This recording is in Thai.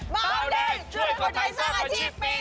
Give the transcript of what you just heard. เบาแดงช่วยคนไทยสร้างอาชีพปี๒